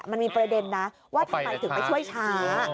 มันมีประเด็นนะว่าทำไมถึงไปช่วยช้า